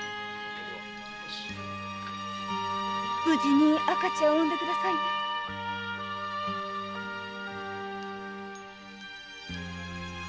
無事に赤ちゃんを産んでくださいね。